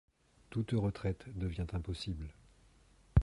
Toute retraite devient impossible.